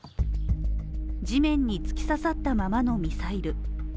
地面に突き刺さったままのミサイル。